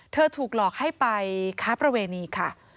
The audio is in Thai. ถูกหลอกให้ไปค้าประเวณีค่ะ